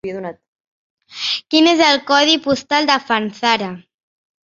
Quin és el codi postal de Fanzara?